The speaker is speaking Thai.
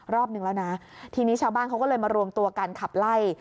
รอบนึงแล้วนะทีนี้ชาวบ้านเขาก็เลยมารวมตัวกันขับไล่